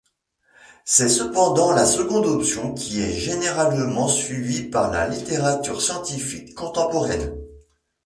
C'est cependant la seconde option qui est généralement suivie par la littérature scientifique contemporaine.